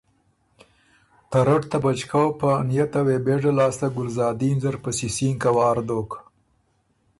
ته رټ ته بچکؤ په نئته وې بېژه لاسته ګلزادین زر په سِسِینکه وار دوک